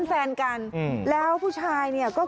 ซึ่งจะแฟนไทย